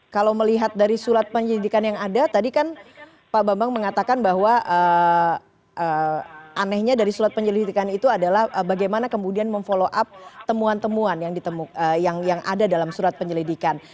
kalau melihat dari surat penyelidikan yang ada tadi kan pak bambang mengatakan bahwa anehnya dari surat penyelidikan itu adalah bagaimana kemudian memfollow up temuan temuan yang ada dalam surat penyelidikan